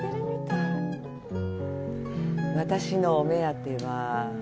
私のお目当ては。